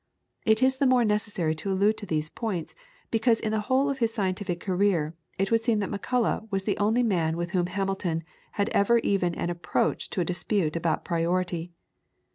It is the more necessary to allude to these points, because in the whole of his scientific career it would seem that Macullagh was the only man with whom Hamilton had ever even an approach to a dispute about priority.